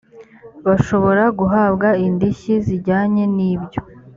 bashobora guhabwa indishyi zijyanye n ibyo